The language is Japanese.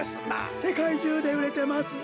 せかいじゅうでうれてますぞ。